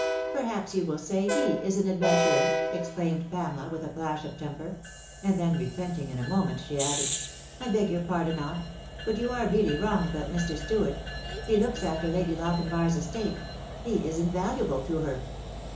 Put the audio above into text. " Perhaps you will say he is an adventurer," exclaimed Pamela, with a flash of temper ; and then repenting in a moment, uhe added :" I beg your pardon, aunt ; but you are really wrong about Mr. Stuart. He looks after Lady Lochinvar's estate. He is invaluable to her."